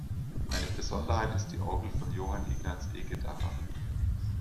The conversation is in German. Eine Besonderheit ist die Orgel von Johann Ignaz Egedacher.